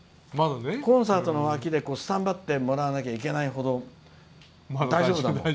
コンサートの脇でスタンバってもらわないといけないような。